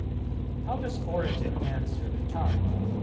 '" How does Origen answer the charge?